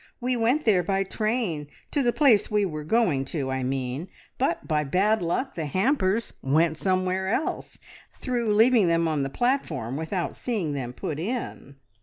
We went there by train to the place we were going to, I mean but by bad luck the hampers went somewhere else, through leaving them on the platform without seeing them put in.